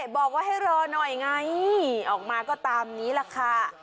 บอกว่าให้รอหน่อยไงออกมาก็ตามนี้แหละค่ะ